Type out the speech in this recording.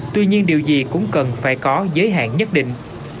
tuy nhiên điều gì cũng cần phải có giới hạn nhất định